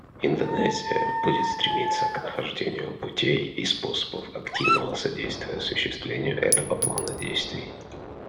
Индонезия будет стремиться к нахождению путей и способов активного содействия осуществлению этого плана действий.